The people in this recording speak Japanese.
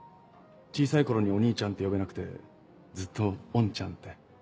小さい頃に「お兄ちゃん」と呼べなくてずっと「オンチャン」って。